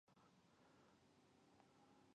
ـ مارچيچلى له پړي ډاريږي.